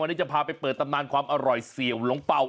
วันนี้จะพาไปเปิดตำนานความอร่อยเสี่ยวหลงเป่า